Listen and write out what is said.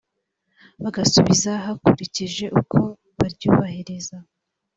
bagasubiza bakurikije uko baryubahiriza